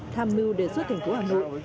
tham mưu đề xuất thành phố hà nội